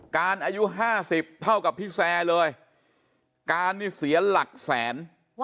การอายุ๕๐เท่ากับพี่แซร์เลยการนี่เสียหลักแสน